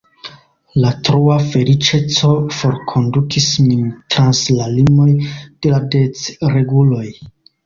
La troa feliĉeco forkondukis min trans la limoj de la decreguloj.